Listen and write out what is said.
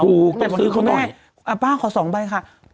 นายต้องซื้อเค้าหน่อยแต่เห็นไม่นานอ่าป้าขอสองใบค่ะ